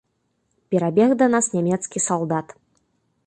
Перабег да нас нямецкі салдат.